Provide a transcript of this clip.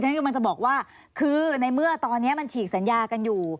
เพราะฉะนั้นมันจะบอกว่าคือในเมื่อตอนนี้มันฉีกสัญญากันอยู่